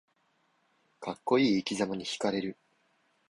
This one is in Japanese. かっこいい生きざまにひかれる